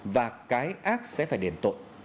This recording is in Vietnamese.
và cái ác sẽ phải đền tội